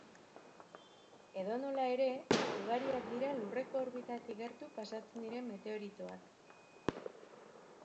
Edonola ere, ugariak dira lurreko orbitatik gertu pasatzen diren meteoritoak.